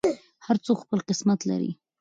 هر څوک خپل قسمت لري.